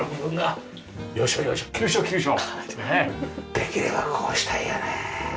できればこうしたいよね。